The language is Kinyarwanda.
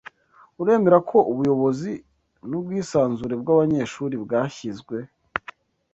Uremera ko ubuyobozi nubwisanzure bwabanyeshuri bwashyizwe